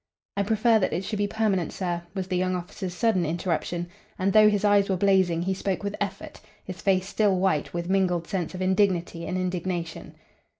"I prefer that it should be permanent, sir," was the young officer's sudden interruption, and, though his eyes were blazing, he spoke with effort, his face still white with mingled sense of indignity and indignation.